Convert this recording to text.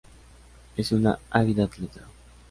Es una ávida atleta.